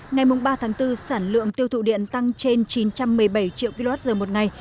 ngày ba tháng bốn sản lượng tiêu thụ điện tăng trên chín trăm một mươi bảy triệu kwh một ngày